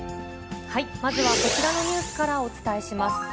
まずはこちらのニュースからお伝えします。